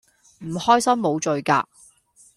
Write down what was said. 唔開心無罪㗎